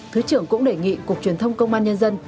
thứ trưởng cũng đề nghị cục truyền thông công an nhân dân